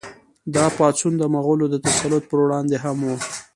دا پاڅون د مغولو د تسلط پر وړاندې هم و.